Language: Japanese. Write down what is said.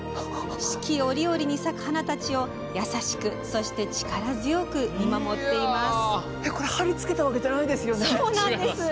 四季折々に咲く花たちを優しく、そして力強く見守っています。